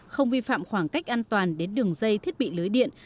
không vi phạm khoảng cách an toàn đến đường dây thiết bị lưới điện